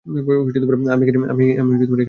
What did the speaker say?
আমি এখানে বেশ আছি।